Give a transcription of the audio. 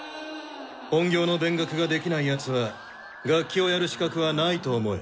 本業の勉学ができない奴は楽器をやる資格はないと思え。